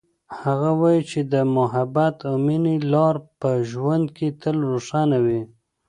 هغه وایي چې د محبت او مینې لار په ژوند کې تل روښانه وي